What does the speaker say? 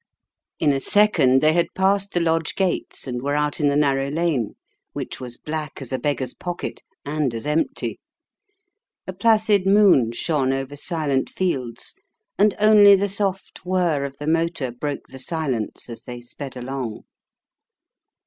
The House of Shadows 45 In a second they had passed the lodge gates and were out in the narrow lane, which was black as a beggar's pocket, and as empty. A placid moon shone over silent fields, and only the soft whirr of the motor broke the silence as they sped along.